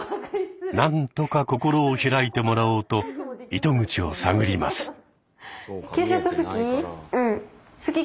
何とか心を開いてもらおうと糸口を探ります。